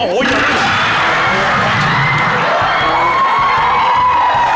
โอ้โฮเหยิร์ด